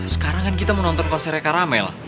sekarang kan kita mau nonton konsernya caramel